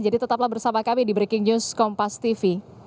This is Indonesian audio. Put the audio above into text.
jadi tetaplah bersama kami di breaking news kompas tv